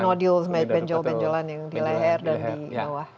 ya nodules benjolan yang di leher dan di bawah